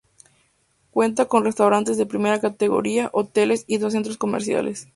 Cuenta con restaurantes de primera categoría, hoteles y dos centros comerciales.